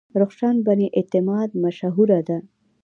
رخشان بني اعتماد مشهوره ده.